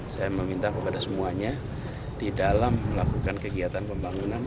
saya meminta kepada semuanya di dalam melakukan kegiatan pembangunan